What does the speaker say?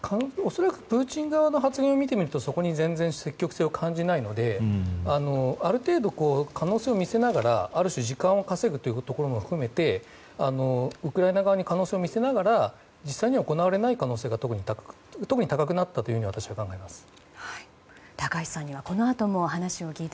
恐らくプーチン側の発言を見てみるとそこに全然積極性を感じないのである程度可能性を見せながら、ある種時間を稼ぐというところも含めてウクライナ側に可能性を見せながら実際には行われない可能性が特に高くなったというふうに私は考えます。